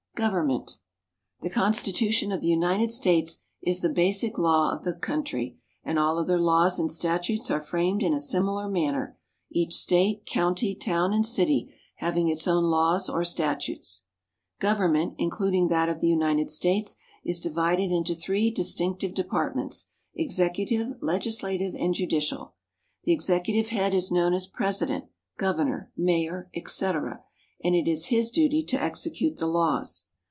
Government The Constitution of the United Stales is the basic law of the country, and all other laws and statutes are framed in a similar manner, each State, county, town, and city having its own laws or statutes. Government, including that of the United States, is divided into three distinctive departments: Executive, Legislative, and Judicial. The Executive head is known as President, Governor, Mayor, etc., and it is his duty to execute the laws.